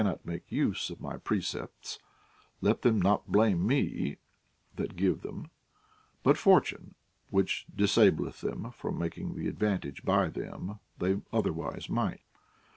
not make use of my precepts, let them not blame me that give them, but Fortune, which disableth them from makin;^ the advantage by them they otherwise might.